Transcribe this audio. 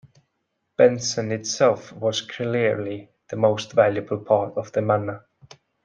Benson itself was clearly the most valuable part of the manor.